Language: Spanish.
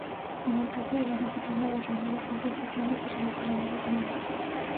En el caso de la disciplina de remo, las competiciones se realizaron en Guatemala.